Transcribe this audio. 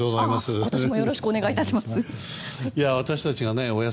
今年もよろしくお願いします。